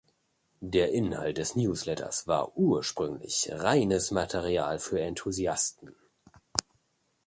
Der Inhalt des Newsletters war ursprünglich reines Material für Enthusiasten.